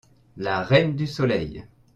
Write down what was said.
La Reine du soleil.